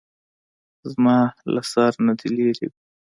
زما له سر نه دې لېرې وي.